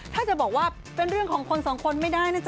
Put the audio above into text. ถ้าจะบอกว่าเป็นเรื่องของคนสองคนไม่ได้นะจ๊